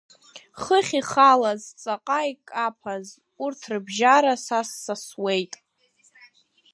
Хыхь ихалаз, ҵаҟа икаԥаз, урҭ рыбжьара са ссасуеит.